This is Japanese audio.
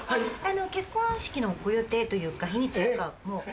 結婚式のご予定というか日にちとかはもう。